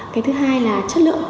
cái thứ hai là chất lượng